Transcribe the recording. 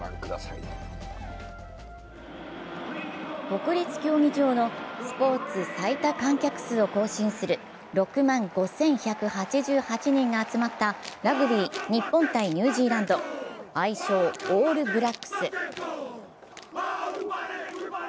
穀陸競技場のスポーツ最多観客数を更新する６万５１８８人が集まったラグビー、日本×ニュージーランド愛称・オールブラックス。